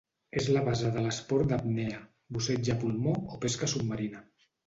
És la base de l'esport d'apnea, busseig a pulmó o pesca submarina.